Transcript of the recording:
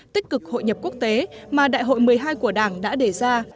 tích cực hội nhập quốc tế mà đại hội một mươi hai của đảng đã đề ra